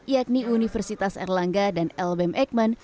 yakni universitas erlangga dan lbm eijkman